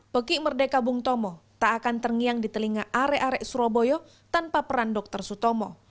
peki merdeka bung tomo tak akan terngiang di telinga arek arek surabaya tanpa peran dr sutomo